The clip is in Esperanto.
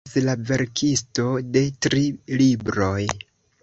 Li estas la verkisto de tri libroj.